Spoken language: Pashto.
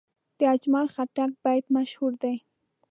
د اجمل خټک بیت مشهور دی.